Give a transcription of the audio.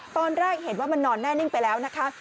ตอนแรกเห็นว่ามันนอนแน่นิ่งไปแล้วนะคะ